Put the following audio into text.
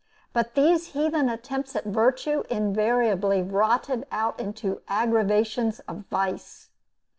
But these heathen attempts at virtue invariably rotted out into aggravations of vice.